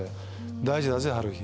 大事だぜはるひ。